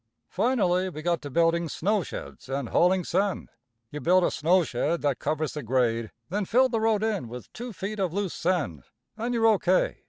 Finally we got to building snow sheds and hauling sand. You build a snow shed that covers the grade, then fill the road in with two feet of loose sand, and you're O.K.